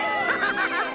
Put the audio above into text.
ハハハハッ！